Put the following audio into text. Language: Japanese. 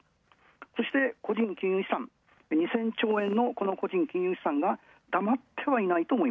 そして個人金融資産、２０００兆円のこの個人金融資産が黙ってはいないと。